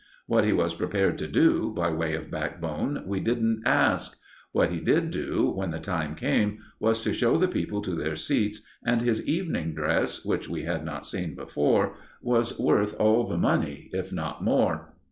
What he was prepared to do, by way of backbone, we didn't ask; what he did do, when the time came, was to show the people to their seats, and his evening dress, which we had not seen before, was worth all the money, if not more.